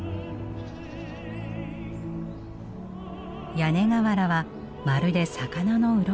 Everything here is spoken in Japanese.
屋根瓦はまるで魚のうろこのよう。